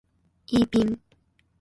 イーピン